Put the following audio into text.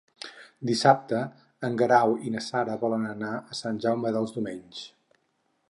Dissabte en Guerau i na Sara volen anar a Sant Jaume dels Domenys.